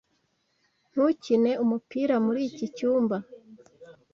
Ntukine umupira muri iki cyumba.